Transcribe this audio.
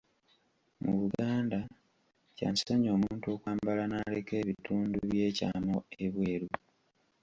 Mu Buganda, kya nsonyi omuntu okwambala n'aleka ebitundu by'ekyama ebweru.